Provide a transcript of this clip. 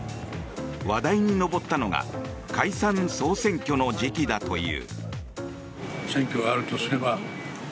話題に上ったのが解散・総選挙の時期だという。